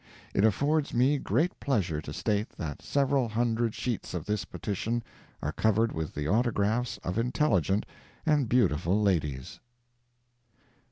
It affords me great pleasure to state that several hundred sheets of this petition are covered with the autographs of intelligent and beautiful ladies.